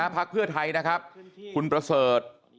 แภกเพื่อไทยคุณประเสริฐ